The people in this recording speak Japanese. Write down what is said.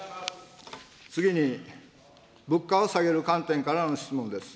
次に物価を下げる観点からの質問です。